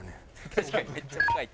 確かにめっちゃ無回転。